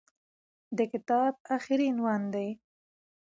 د کتاب اخري عنوان دى.